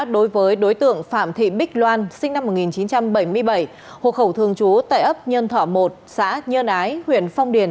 đối với đối tượng phạm thị bích loan sinh năm một nghìn chín trăm bảy mươi bảy hộ khẩu thường trú tại ấp nhân thọ một xã nhân ái huyện phong điền